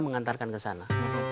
mengantarkan ke sana